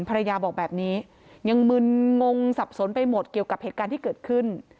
ภรรยาบอกแบบนี้ยังมึนงงสับสนไปหมดเกี่ยวกับเหตุการณ์ที่เกิดขึ้น